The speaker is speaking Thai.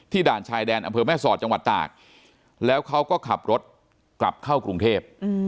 ด่านชายแดนอำเภอแม่สอดจังหวัดตากแล้วเขาก็ขับรถกลับเข้ากรุงเทพ